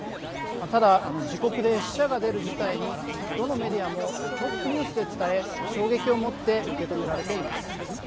ただ、自国で死者が出る事態にどのメディアもトップニュースで伝え衝撃をもって受け止められています。